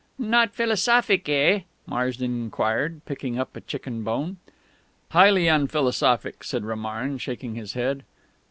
"Not philosophic, eh?" Marsden inquired, picking up a chicken bone. "Highly unphilosophic," said Romarin, shaking his head.